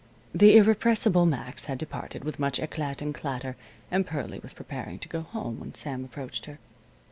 The irrepressible Max had departed with much eclat and clatter, and Pearlie was preparing to go home when Sam approached her.